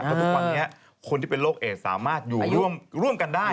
เพราะทุกวันนี้คนที่เป็นโรคเอดสามารถอยู่ร่วมกันได้